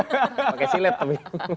pakai silet tapi